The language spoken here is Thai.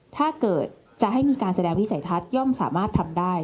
ถ้าเกิดจะให้มีการแสดงวิสัยทัศน์ย่อมสามารถทำได้